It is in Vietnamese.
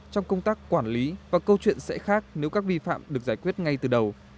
trong công tác quản lý và câu chuyện sẽ khác nếu các vi phạm được giải quyết ngay từ đầu